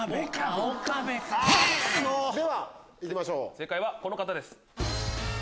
正解はこの方です。